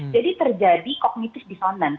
jadi terjadi kognitis disonan